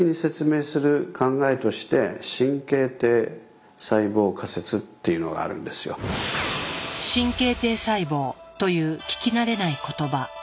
神経堤細胞という聞き慣れない言葉。